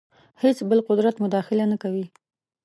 هېڅ بل قدرت مداخله نه کوي.